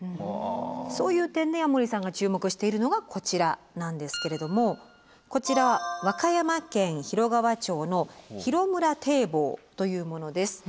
そういう点で矢守さんが注目しているのがこちらなんですけれどもこちら和歌山県広川町の広村堤防というものです。